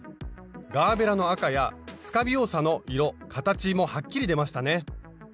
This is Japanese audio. ガーベラの赤やスカビオサの色形もはっきり出ましたね。